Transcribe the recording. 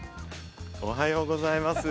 おはようございます。